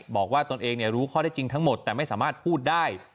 บอกว่าตัวเองเนี่ยรู้ข้อเท็จจริงทั้งหมดแต่ไม่สามารถพูดได้